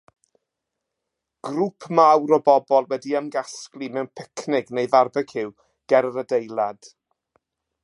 Grŵp mawr o bobl wedi ymgasglu mewn picnic neu farbeciw ger yr adeilad.